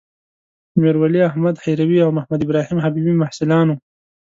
میرولی احمد هروي او محمدابراهیم حبيبي محصلان وو.